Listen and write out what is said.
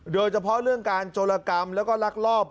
โดยเฉพาะเรื่องการโจรกรรมแล้วก็ลักลอบ